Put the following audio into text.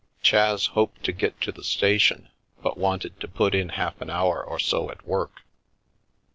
Chas hoped to get to the station, but wanted to put in half an hour or so at work.